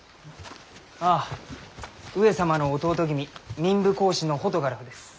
あぁ上様の弟君民部公子のホトガラフです。